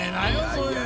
そういうの！